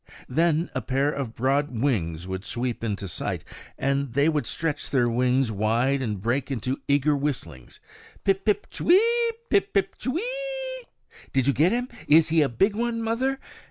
Then a pair of broad wings would sweep into sight, and they would stretch their wings wide and break into eager whistlings, Pip, pip, ch'wee? chip, ch'weeeeee? "did you get him? is he a big one, mother?"